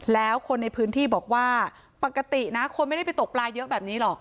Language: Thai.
แล้วคนในพื้นที่บอกว่าปกตินะคนไม่ได้ไปตกปลาเยอะแบบนี้หรอก